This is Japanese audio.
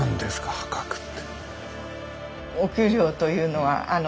破格って。